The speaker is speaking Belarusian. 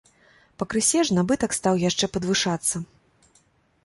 Пакрысе ж набытак стаў яшчэ падвышацца.